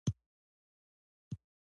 د اردو اغېز په لر پښتون کې زیات دی.